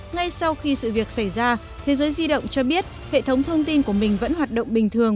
ngay sau khi sự việc xảy ra thế giới di động cho biết hệ thống thông tin của mình vẫn hoạt động bình thường